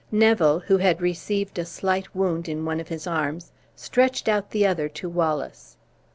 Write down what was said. Neville, who had received a slight wound in one of his arms, stretched out the other to Wallace.